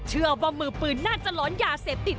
เชื่อว่ามือปืนน่าจะหลอนยาเสพติด